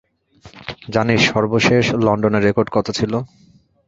জানিস, সর্বশেষ লন্ডনের রেকর্ড কত ছিল?